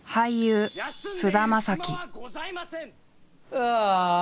うわ！